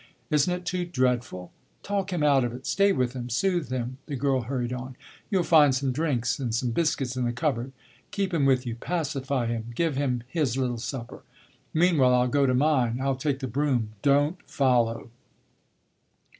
Isn't it too dreadful? Talk him out of it, stay with him, soothe him!" the girl hurried on. "You'll find some drinks and some biscuits in the cupboard keep him with you, pacify him, give him his little supper. Meanwhile I'll go to mine; I'll take the brougham; don't follow!"